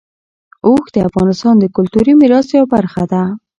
اوښ د افغانستان د کلتوري میراث یوه برخه ده.